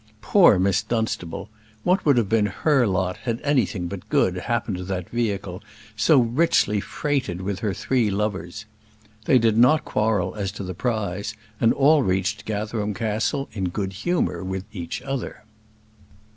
Poor Miss Dunstable! what would have been her lot had anything but good happened to that vehicle, so richly freighted with her three lovers! They did not quarrel as to the prize, and all reached Gatherum Castle in good humour with each other.